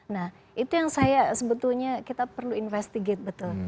nah itu yang saya sebetulnya kita perlu investigate betul